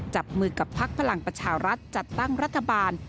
จับมือกับพักพลังประชารัฐจัดตั้งรัฐบาล